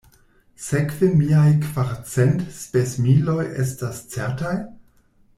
Sekve miaj kvarcent spesmiloj estas certaj?